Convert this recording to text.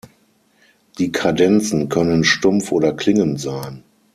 Die Kadenzen können stumpf oder klingend sein.